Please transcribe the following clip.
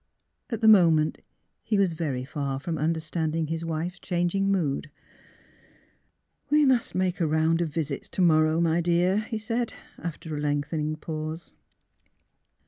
At the moment he was very far from understanding his wife's changing mood, *' We must make a round of visits to morrow, my dear," he said, after a lengthening pause.